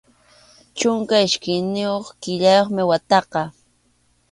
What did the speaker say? Chunka iskayniyuq killayuqmi wataqa.